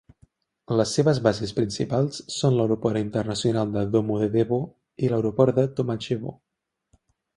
Les seves bases principals son l'aeroport internacional de Domodedovo i l'aeroport de Tomachevo.